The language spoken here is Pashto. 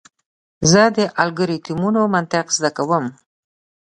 زه د الگوریتمونو منطق زده کوم.